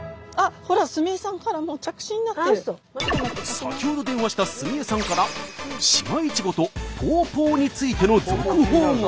先ほど電話した須美恵さんから島イチゴとポーポーについての続報が！